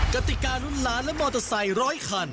กติการุ้นล้านและมอเตอร์ไซค์ร้อยคัน